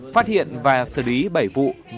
phát hiện và xử lý bảy vụ